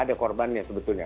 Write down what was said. ini adalah korbannya sebetulnya